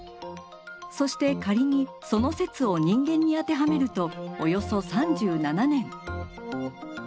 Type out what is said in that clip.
そして仮にその説を人間に当てはめるとおよそ３７年。